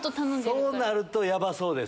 そうなると。